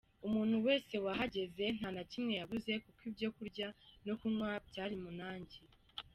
Umuntu wese wahageze nta na kimwe yabuze kuko ibyo kurya no kunywa byari munangi.